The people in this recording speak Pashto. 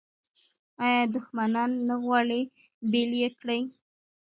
آیا دښمنان نه غواړي بیل یې کړي؟